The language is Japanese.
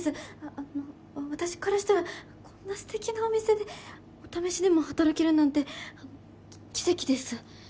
あの私からしたらこんなすてきなお店でお試しでも働けるなんて奇跡です。